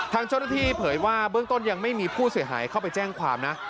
ทางเจ้าหน้าที่เผยว่าเบื้องต้นยังไม่มีผู้เสียหายเข้าไปแจ้งความนะ